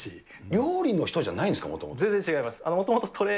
料理の人じゃないんですか、全然違います。